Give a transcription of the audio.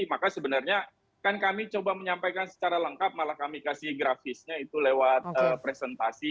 maka sebenarnya kan kami coba menyampaikan secara lengkap malah kami kasih grafisnya itu lewat presentasi